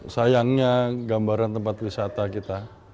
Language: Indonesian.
sayangnya gambaran tempat wisata kita